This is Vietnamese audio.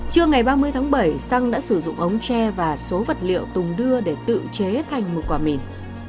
trưa ngày ba mươi tháng bảy sang đã sử dụng ống tre và số vật liệu tùng đưa để tự chế thành một quả mìn